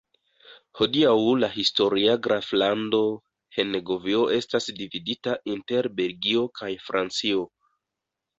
Hodiaŭ la historia graflando Henegovio estas dividita inter Belgio kaj Francio.